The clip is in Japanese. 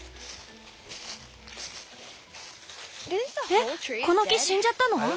えっこの木死んじゃったの？